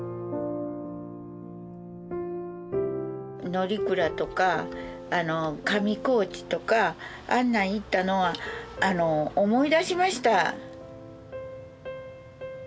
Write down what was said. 乗鞍とか上高地とかあんなん行ったのは思い出しました。